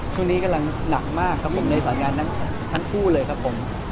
ช่วงนี้กำลังหนักมากครับผมในสายงานทั้งคู่เลยครับผม